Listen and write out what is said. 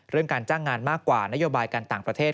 การจ้างงานมากกว่านโยบายการต่างประเทศ